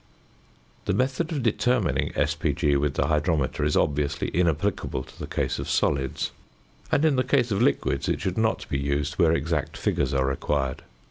The method of determining sp. g. with the hydrometer is obviously inapplicable to the case of solids, and in the case of liquids it should not be used where exact figures are required.